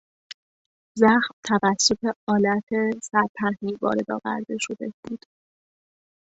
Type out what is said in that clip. زخم توسط آلت سرپهنی وارد آورده شده بود.